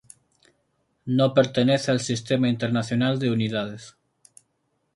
No pertenece al Sistema Internacional de Unidades.